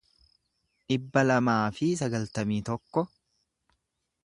dhibba lamaa fi sagaltamii tokko